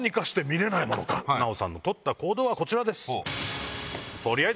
奈緒さんの取った行動はこちらです。